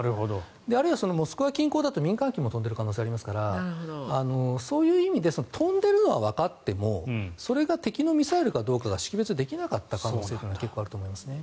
あるいはモスクワ近郊だと民間機も飛んでいる可能性があるので飛んでいるのはわかってもそれが敵のミサイルか識別できなかった可能性はありますね。